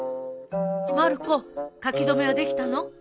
まる子書き初めはできたの？